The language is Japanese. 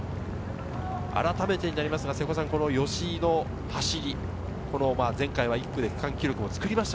改めて吉居の走り、前回は１区で区間記録を作りました。